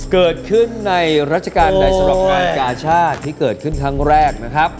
เกิดขึ้นในรัชกาลใดสำหรับงานกาชาติที่เกิดขึ้นครั้งแรกนะครับ